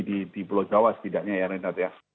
di pulau jawa setidaknya ya renat ya